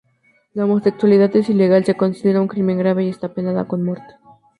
La homosexualidad es ilegal, se considera un crimen grave y está penada con muerte.